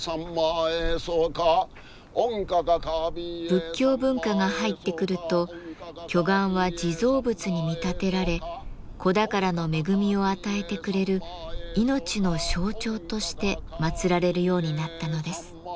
仏教文化が入ってくると巨岩は地蔵仏に見立てられ子宝の恵みを与えてくれる命の象徴として祀られるようになったのです。